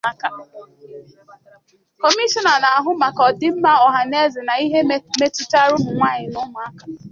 Kọmishọna na-ahụ maka ọdịmma ọhaneze na ihe metụtara ụmụnwaanyị na ụmụaka